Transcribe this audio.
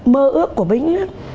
mơ ước của bính